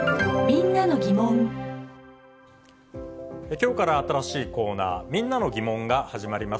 きょうから新しいコーナー、みんなのギモンが始まります。